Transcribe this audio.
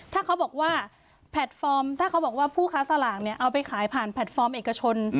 ถ้าเขาบอกว่าผู้ค้าสลากเอาไปขายผ่านแพลตฟอร์มเอกชน